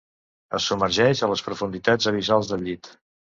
Es submergeix a les profunditats abissals del llit.